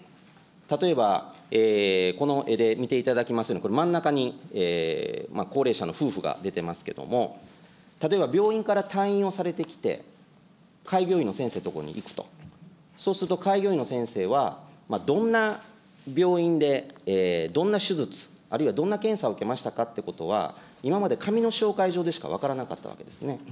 例えばこの絵で見ていただきますように、これ、真ん中に高齢者の夫婦が出てますけども、例えば病院から退院をされてきて、開業医の先生のとこに行くと、そうすると、開業医の先生は、どんな病院で、どんな手術、あるいはどんな検査を受けましたかってことは、今まで紙の紹介状でしか分からなかったわけですね。